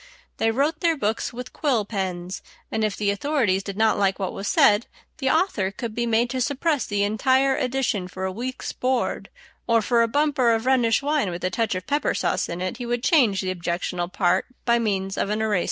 They wrote their books with quill pens, and if the authorities did not like what was said, the author could be made to suppress the entire edition for a week's board, or for a bumper of Rhenish wine with a touch of pepper sauce in it he would change the objectionable part by means of an eraser.